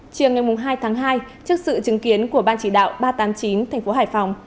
chiều ngày hai tháng hai trước sự chứng kiến của ban chỉ đạo ba trăm tám mươi chín tp hải phòng